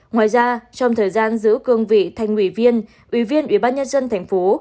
ngoài ra trong thời gian giữ cương vị thành ủy viên ủy viên ủy ban nhân dân thành phố